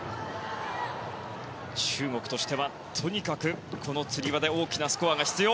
中国としてはとにかく、このつり輪で大きなスコアが必要。